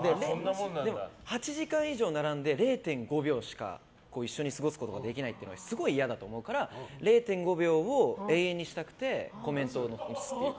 ８時間以上並んで０．５秒しか一緒に過ごすことができないっていうのはすごい嫌だと思うから０．５秒を永遠にしたくてコメントを残す。